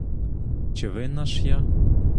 Чи винна ж я?